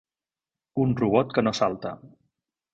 Un robot que no salta.